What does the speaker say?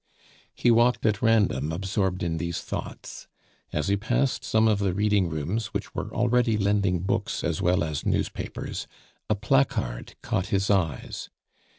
He walked at random, absorbed in these thoughts. As he passed some of the reading rooms which were already lending books as well as newspapers, a placard caught his eyes.